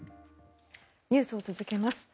ニュースを続けます。